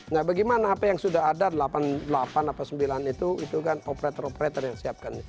nah bagaimana apa yang sudah ada delapan puluh delapan atau sembilan itu itu kan operator operator yang disiapkan